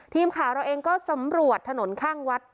ทีมข่าวเราเองก็สำรวจถนนข้างวัด